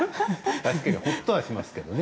確かにほっとはしますけどね。